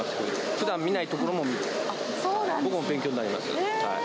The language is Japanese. ふだん、見ないところも見るので、僕も勉強になります。